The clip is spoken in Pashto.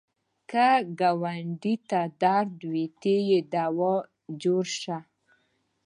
که ګاونډي ته درد وي، ته یې دوا جوړ شه